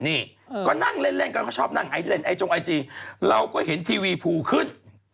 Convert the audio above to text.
นี่ก็นั่งเล่นก็ชอบนั่งไอจริงไอจงไอจีเราก็เห็นทีวีภูขึ้น